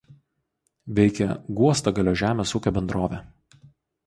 Veikia Guostagalio žemės ūkio bendrovė.